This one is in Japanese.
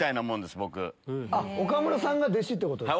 岡村さんが弟子ってことですか？